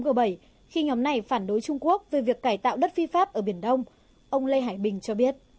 g bảy khi nhóm này phản đối trung quốc về việc cải tạo đất phi pháp ở biển đông ông lê hải bình cho biết